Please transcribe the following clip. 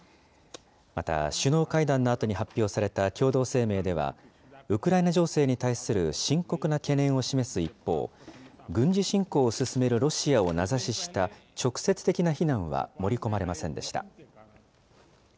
また、首脳会談のあとに発表された共同声明では、ウクライナ情勢に対する深刻な懸念を示す一方、軍事侵攻を進めるロシアを名指しした直接的な非難は盛り込まれませんでした。